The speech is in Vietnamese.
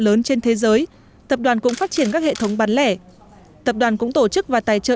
lớn trên thế giới tập đoàn cũng phát triển các hệ thống bán lẻ tập đoàn cũng tổ chức và tài trợ